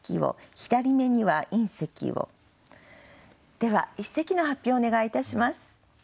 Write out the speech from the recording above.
では一席の発表をお願いいたします。